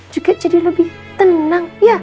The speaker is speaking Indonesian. juga jadi lebih tenang